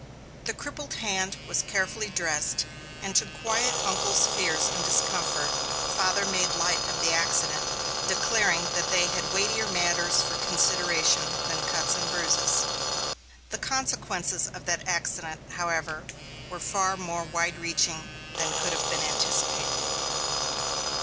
The crippled hand was carefully dressed, and to quiet uncle's fears and discomfort, father made light of the accident, declaring that they had weightier matters for consideration than cuts and bruises. The consequences of that accident, however, were far more wide reaching than could have been anticipated.